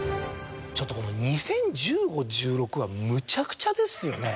ちょっとこの２０１５２０１６はむちゃくちゃですよね。